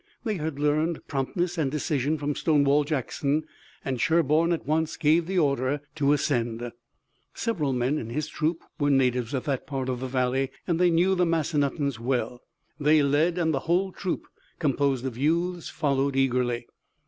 They had learned promptness and decision from Stonewall Jackson, and Sherburne at once gave the order to ascend. Several men in his troop were natives of that part of the valley, and they knew the Massanuttons well. They led and the whole troop composed of youths followed eagerly.